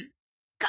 か